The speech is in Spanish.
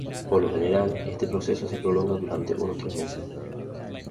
Por lo general, este proceso se prolonga durante unos tres meses.